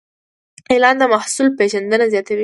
اعلان د محصول پیژندنه زیاتوي.